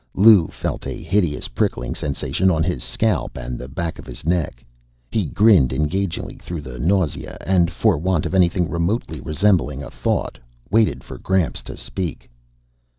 Lou felt a hideous prickling sensation on his scalp and the back of his neck. He grinned engagingly through his nausea and, for want of anything remotely resembling a thought, waited for Gramps to speak.